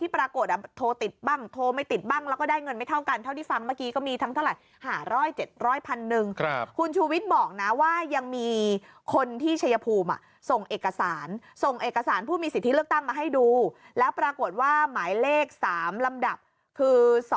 ปรากฏว่าหมายเลข๓ลำดับคือ๒๒๑